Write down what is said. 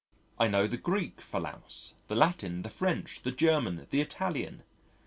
I know the Greek for Louse, the Latin, the French, the German, the Italian.